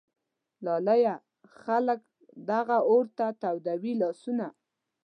لالیه ! خلک دغه اور ته تودوي لاسونه